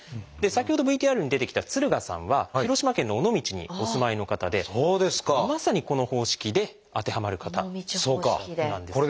先ほどＶＴＲに出てきた敦賀さんは広島県の尾道にお住まいの方でまさにこの方式で当てはまる方なんです。